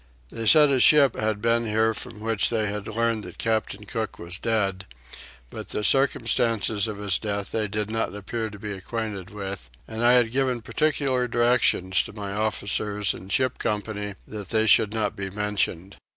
They said a ship had been here from which they had learnt that Captain Cook was dead; but the circumstances of his death they did not appear to be acquainted with; and I had given particular directions to my officers and ship's company that they should not be mentioned.